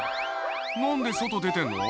「何で外出てんの？」